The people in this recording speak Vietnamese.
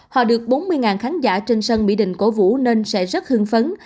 họ được bốn mươi khán giả trên sân mỹ đình cổ vũ nên sẽ rất hương phấn